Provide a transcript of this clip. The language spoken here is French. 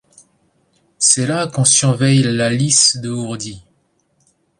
C’est là qu’on surveille la lisse de hourdi!